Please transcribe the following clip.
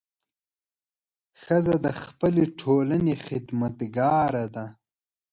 ښځه د خپلې ټولنې خدمتګاره ده.